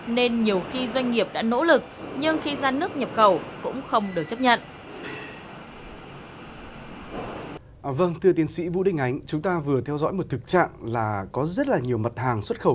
nên nhiều khi doanh nghiệp đã nỗ lực nhưng khi ra nước nhập khẩu